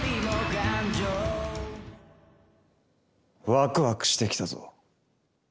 ワクワクしてきたぞ。